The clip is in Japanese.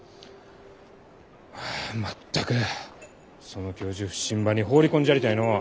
はあ全くその教授普請場に放り込んじゃりたいのう。